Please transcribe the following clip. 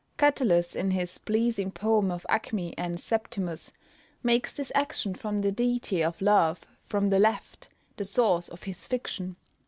Catullus, in his pleasing poem of Acmè and Septimus, makes this action from the deity of Love, from the left, the source of his fiction.